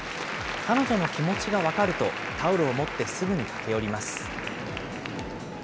彼女の気持ちが分かると、タオルを持ってすぐに駆け寄ります。